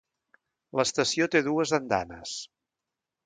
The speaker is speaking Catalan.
L'estació té dues andanes.